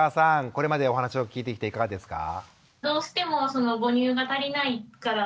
これまでお話を聞いてきていかがですか？